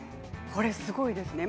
これすごいですね。